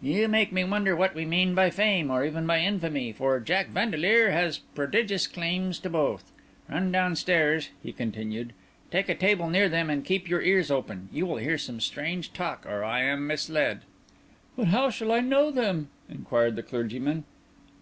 You make me wonder what we mean by fame, or even by infamy; for Jack Vandeleur has prodigious claims to both. Run downstairs," he continued, "take a table near them, and keep your ears open. You will hear some strange talk, or I am much misled." "But how shall I know them?" inquired the clergyman.